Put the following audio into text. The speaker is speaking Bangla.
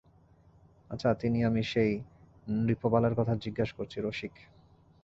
আচ্ছা, তিনি– আমি সেই নৃপবালার কথা জিজ্ঞাসা করছি– রসিক।